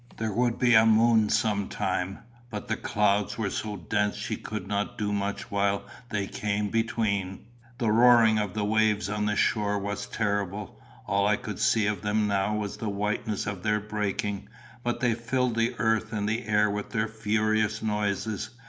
There would be a moon some time, but the clouds were so dense she could not do much while they came between. The roaring of the waves on the shore was terrible; all I could see of them now was the whiteness of their breaking, but they filled the earth and the air with their furious noises.